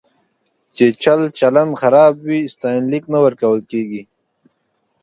چې چلچلن خراب وي، ستاینلیک نه ورکول کېږي.